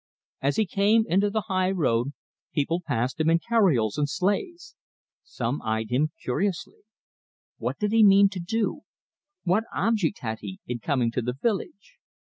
As he came into the high road, people passed him in carioles and sleighs. Some eyed him curiously. What did he mean to do? What object had he in coming to the village?